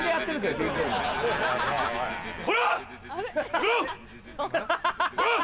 やめろっ！